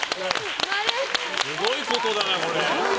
すごいことだな、これ。